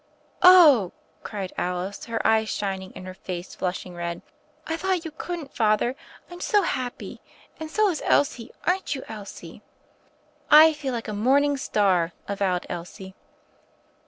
"Ohl" cried Alice, her eyes shining and her face flushing red, "I thought you couldn't. Father, I'm so happy. And so is Elsie, aren't you, Elsie?" "I feel like a morning star," avowed Elsie.